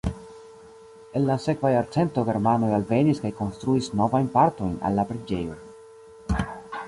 En la sekva jarcento germanoj alvenis kaj konstruis novajn partojn al la preĝejo.